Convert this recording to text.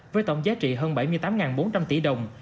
với tổng giá trị hơn bảy mươi tám bốn trăm linh tỷ đồng